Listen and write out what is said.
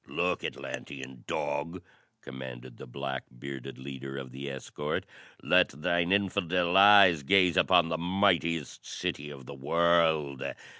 "Look, Atlantean dog!" commanded the black bearded leader of the escort. "Let thine infidel eyes gaze upon the mightiest city of the world.